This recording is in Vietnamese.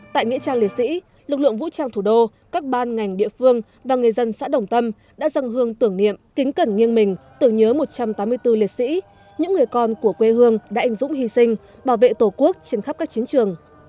tại nghĩa trang liệt sĩ lực lượng vũ trang thủ đô các ban ngành địa phương và người dân xã đồng tâm đã dâng hương tưởng niệm kính cẩn nghiêng mình tưởng nhớ một trăm tám mươi bốn liệt sĩ những người con của quê hương đã anh dũng hy sinh bảo vệ tổ quốc trên khắp các chiến trường